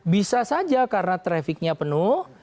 bisa saja karena trafficnya penuh